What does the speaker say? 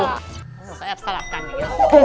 แกสลับกันอยู่